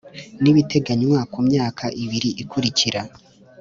n ibiteganywa ku myaka ibiri ikurikira